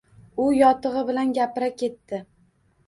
U yotigʼi bilan gapira ketdi.